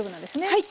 はい。